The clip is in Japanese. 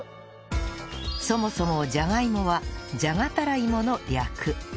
そもそもじゃがいもは「じゃがたらいも」の略